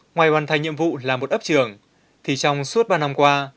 ngoài hoàn thành nhiệm vụ làm một ấp trưởng thì trong suốt ba năm qua